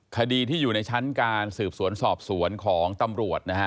คดีที่อยู่ในชั้นการสืบสวนสอบสวนของตำรวจนะฮะ